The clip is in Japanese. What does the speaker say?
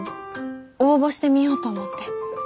応募してみようと思って。